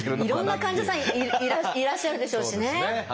いろんな患者さんいらっしゃるでしょうしね。